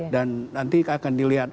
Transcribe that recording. dan nanti akan dilihat